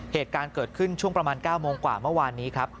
เหตุการณ์เกิดขึ้นช่วงประมาณ๙โมงกว่าเมื่อวานนี้ครับ